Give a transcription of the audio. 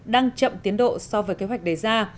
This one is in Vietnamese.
đang chậm tiến độ so với kế hoạch đề ra